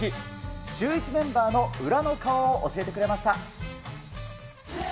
シューイチメンバーの裏の顔を教えてくれました。